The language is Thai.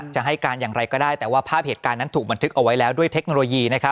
จะให้การอย่างไรก็ได้แต่ว่าภาพเหตุการณ์นั้นถูกบันทึกเอาไว้แล้วด้วยเทคโนโลยี